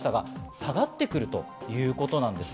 下がってくるということなんです。